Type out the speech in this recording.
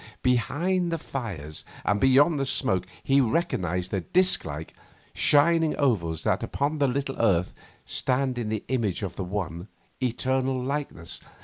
Behind the fires and beyond the smoke he recognised the disc like, shining ovals that upon this little earth stand in the image of the one, eternal Likeness.